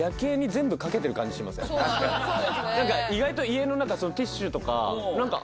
意外と家の中ティッシュとか。